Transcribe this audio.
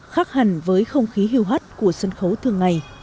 khác hẳn với không khí hưu hắt của sân khấu thường ngày